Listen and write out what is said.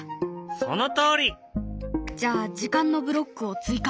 そのとおり！じゃあ時間のブロックを追加。